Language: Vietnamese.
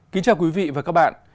kính chào quý vị và các bạn